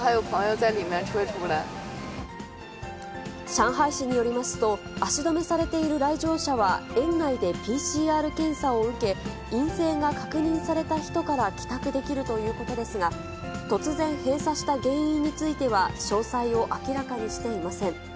上海市によりますと、足止めされている来場者は、園内でＰＣＲ検査を受け、陰性が確認された人から帰宅できるということですが、突然、閉鎖した原因については詳細を明らかにしていません。